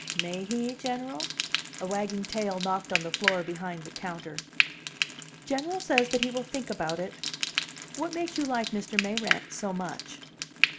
"May he, General?" A wagging tail knocked on the floor behind the counter. "General says that he will think about it. What makes you like Mr. Mayrant so much?"